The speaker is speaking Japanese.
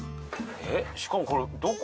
えっしかもこれどこ？